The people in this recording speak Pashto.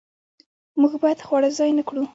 موږ باید خواړه ضایع نه کړو.